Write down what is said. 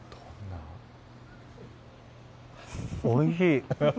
おいしい！